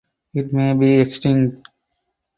It may be extinct.